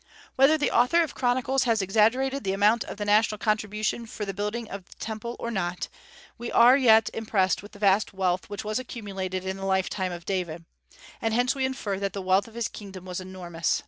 Whether the author of the Chronicles has exaggerated the amount of the national contribution for the building of the Temple or not, we yet are impressed with the vast wealth which was accumulated in the lifetime of David; and hence we infer that the wealth of his kingdom was enormous.